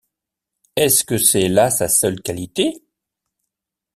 Est-ce que c’est là sa seule qualité?